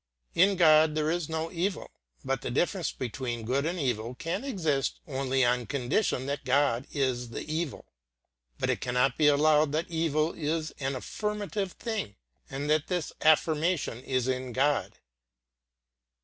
In God there is no evil. But the difference between good and evil can exist only on condition that God is the evil. But it cannot be allowed that evil is an affirmative thing, and that this affirmation is in God.